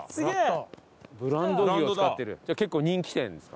じゃあ結構人気店ですか？